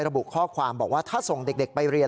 ระบุข้อความบอกว่าถ้าส่งเด็กไปเรียน